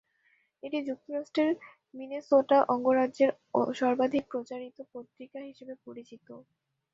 এটি যুক্তরাষ্ট্রের মিনেসোটা অঙ্গরাজ্যের সর্বাধিক প্রচারিত পত্রিকা হিসেবে পরিচিত।